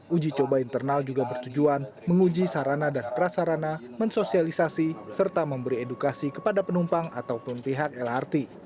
uji coba internal juga bertujuan menguji sarana dan prasarana mensosialisasi serta memberi edukasi kepada penumpang ataupun pihak lrt